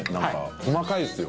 細かいですよね。